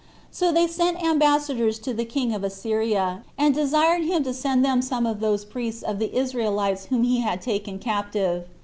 So they sent ambassadors to the king of Assyria, and desired him to send them some of those priests of the Israelites whom he had taken captive.